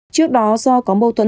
trước đó do có mô thuẫn